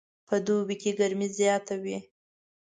په دوبي کې ګرمي زیاته وي